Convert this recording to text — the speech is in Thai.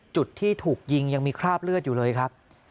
จุดที่ถูกยิงยังมีคราบเลือดอยู่เลยครับ